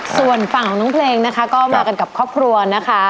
ส่วนฝั่งของน้องเพลงนะคะก็มากันกับครอบครัวนะคะ